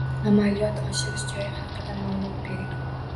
Amaliyot oshirish joyi haqida ma'lumot bering.